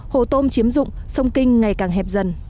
hồ tôm chiếm dụng sông kinh ngày càng hẹp dần